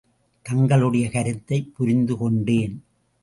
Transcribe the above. தங்களுடைய கருத்தைப் புரிந்து கொண்டேன்.